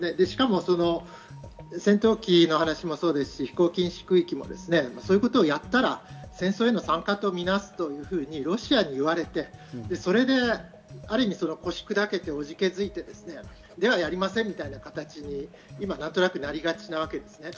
しかもですね、戦闘機の話もそうですし、飛行禁止空域もそういうことをやったら戦争への参加とみなすというふうにロシアに言われて、それである意味、腰砕けではやりませんみたいな感じに今なりがちなわけです。